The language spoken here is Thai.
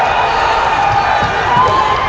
สวัสดีครับทุกคน